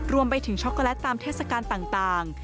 รวมไปถึงช็อกโกแลตตามเทศกาลต่าง